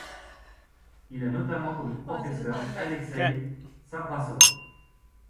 Il a notamment comme professeur Alexeï Savrassov.